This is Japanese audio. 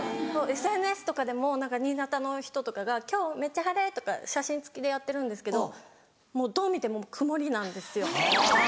ＳＮＳとかでも何か新潟の人とかが「今日めっちゃ晴れ」とか写真付きでやってるんですけどもうどう見ても曇りなんですよ。